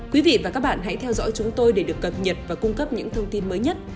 quý vị và các bạn hãy theo dõi chúng tôi để được cập nhật và cung cấp những thông tin mới nhất